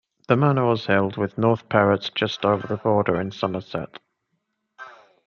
The manor was held with North Perrott just over the border in Somerset.